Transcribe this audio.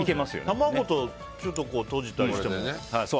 卵とちょっととじたりしても。